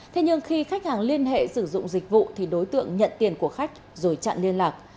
thế nhưng khi khách hàng liên hệ sử dụng dịch vụ thì đối tượng nhận tiền của khách rồi chặn liên lạc